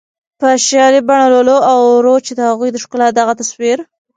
په شعري بڼه لولو او اورو چې د هغوی د ښکلا دغه تصویر